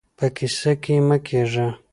په کيسه کې يې مه کېږئ.